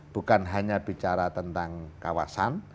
bukan hanya bicara tentang kawasan